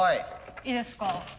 いいですか。